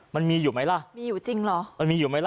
มันมีอยู่ไหมล่ะมีอยู่จริงเหรอมันมีอยู่ไหมล่ะ